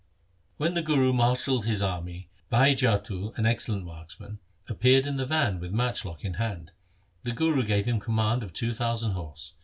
When the Guru marshalled his army Bhai Jattu, an excellent marksman, appeared in the van with matchlock in hand. The Guru gave him command of two thousand horse.